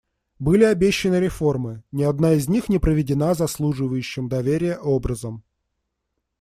Были обещаны реформы; ни одна из них не проведена заслуживающим доверия образом.